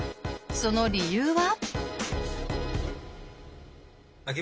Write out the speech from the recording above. その理由は？